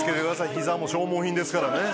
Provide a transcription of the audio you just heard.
膝も消耗品ですからね